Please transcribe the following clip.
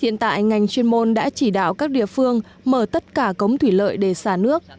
hiện tại ngành chuyên môn đã chỉ đạo các địa phương mở tất cả cống thủy lợi để xả nước